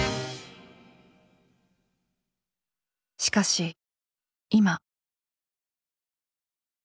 しかし今。